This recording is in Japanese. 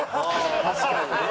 確かにね。